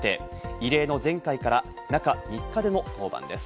異例の前回から中３日での登板です。